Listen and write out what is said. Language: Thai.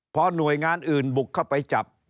พอหน่วยงานอื่นบุกเข้าไปจับ